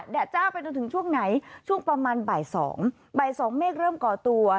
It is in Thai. เจ้าไปจนถึงช่วงไหนช่วงประมาณบ่ายสองบ่ายสองเมฆเริ่มก่อตัว